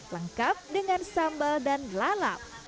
lengkap dengan sambal dan lalap